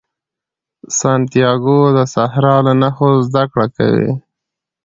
سانتیاګو د صحرا له نښو زده کړه کوي.